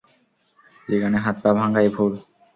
যেখানে হাত-পা ভাঙাই ভুল।